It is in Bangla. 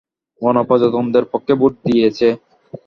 গণপ্রজাতন্ত্রের পক্ষে ভোট দিয়েছে।